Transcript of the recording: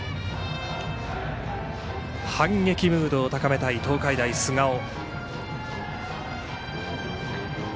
反撃ムードを高めたい東海大菅生。